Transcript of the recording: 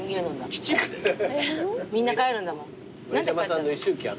みんな帰るんだもん。